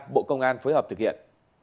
bộ công an phối hợp thực hiện